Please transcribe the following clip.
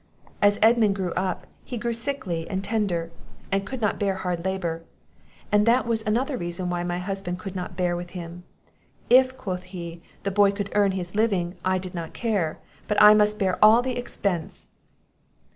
"As Edmund grew up, he grew sickly and tender, and could not bear hard labour; and that was another reason why my husband could not bear with him. 'If,' quoth he, 'the boy could earn his living, I did not care; but I must bear all the expence.